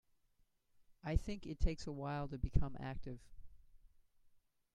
I think it takes a while to become active.